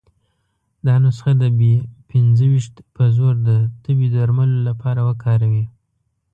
دا نسخه د بي پنځه ویشت په زور د تبې درملو لپاره وکاروي.